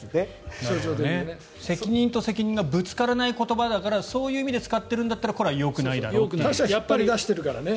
責任と責任がぶつからない言葉だからそういう意味で使っているんだったら出しているからね。